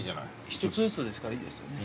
１つずつですからいいですよね。